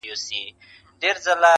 له پسونو تر هوسیو تر غوایانو -